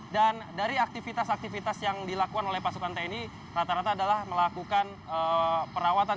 dan dari aktivitas aktivitas yang dilakukan oleh pasukan tni rata rata adalah melakukan perawatan keperluan